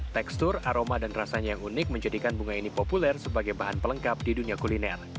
tekstur aroma dan rasanya yang unik menjadikan bunga ini populer sebagai bahan pelengkap di dunia kuliner